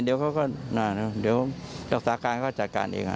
เดี๋ยวก็สาการก็จัดการเอง